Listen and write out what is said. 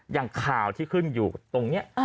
อย่างข่าวที่ขึ้นอยู่ตรงนี้